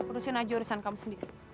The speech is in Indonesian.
terusin aja urusan kamu sendiri